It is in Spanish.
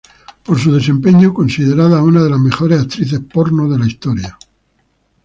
Por su desempeño considerada una de las Mejores actrices porno de la historia.